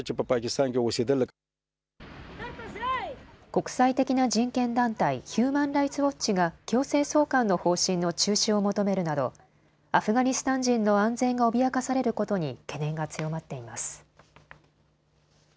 国際的な人権団体、ヒューマン・ライツ・ウォッチが強制送還の方針の中止を求めるなどアフガニスタン人の安全が脅かされることに懸念が強まっています。